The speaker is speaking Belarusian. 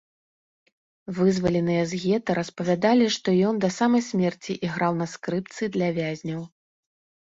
Вызваленыя з гета распавядалі, што ён да самай смерці іграў на скрыпцы для вязняў.